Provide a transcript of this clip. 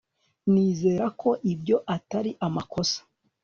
nizere ko ibyo atari amakosa